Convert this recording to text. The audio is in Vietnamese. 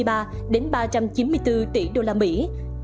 và đồng lực cho tăng trưởng của nền kinh tế